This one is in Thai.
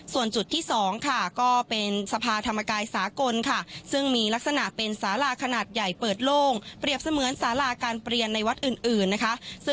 ส่วนจุดที่๒ค่ะก็เป็นสภาธรรมกายสากลค่ะซึ่งมีลักษณะเป็นสาราขนาดใหญ่เปิดโล่งเปรียบเสมือนสาราการเปลี่ยนในวัดอื่นนะคะ